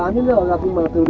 khiến khách hàng không chạy về